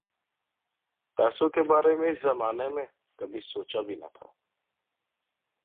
پیسوں کے بارے میں اس زمانے میں کبھی سوچا بھی نہ تھا۔